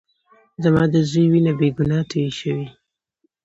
زما د زوى وينه بې ګناه تويې شوې.